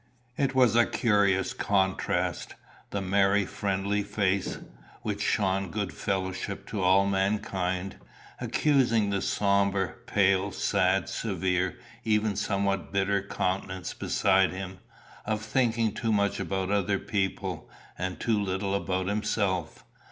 It was a curious contrast the merry friendly face, which shone good fellowship to all mankind, accusing the sombre, pale, sad, severe, even somewhat bitter countenance beside him, of thinking too much about other people, and too little about himself.